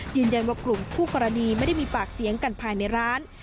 ยืนยันว่ากลุ่มคู่กรณีไม่ได้มีปากเสียงกันภายในร้าน